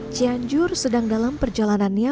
cianjur sedang dalam perjalanannya